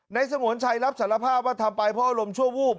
สงวนชัยรับสารภาพว่าทำไปเพราะอารมณ์ชั่ววูบ